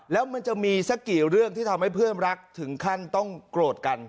แล้วมันจะมีสักกี่เรื่องที่ทำให้เพื่อนรักถึงขั้นต้องโกรธกัน